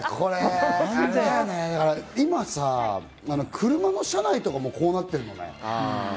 今さ、車の車内とかも、こうなってるよね。